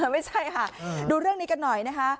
ไม่ใช่ค่ะดูเรื่องนี้กันหน่อยนะคะ